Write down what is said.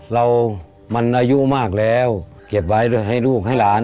เรามันอายุมากแล้วเก็บไว้ให้ลูกให้หลาน